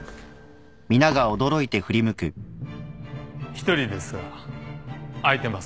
一人ですが空いてますか？